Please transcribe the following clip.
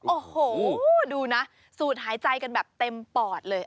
โอ้โหดูนะสูดหายใจกันแบบเต็มปอดเลย